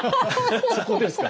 そこですか？